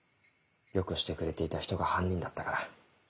良くしてくれていた人が犯人だったから。